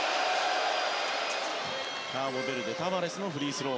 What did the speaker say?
カーボベルデ、タバレスのフリースロー